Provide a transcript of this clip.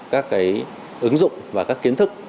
các cái ứng dụng và các kiến thức